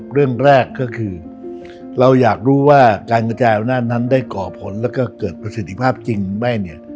เรื่องแรกก็คือเราอยากรู้ว่าการกระจายอำนาจนั้นได้ก่อผลแล้วก็เกิดประสิทธิภาพจริงหรือไม่เนี่ย